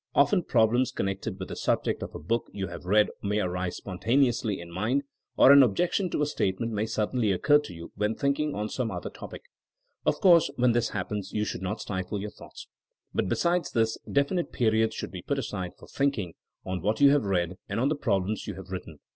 Often problems connected with the subject of a book you have read may arise spontaneously in mind, or an objection to a statement may sud denly occur to you when thinking on some other topic. Of course when this happens you should not stifle your thoughts. But besides this, definite periods should be put aside for thinking on what you have read and on the problems you have written.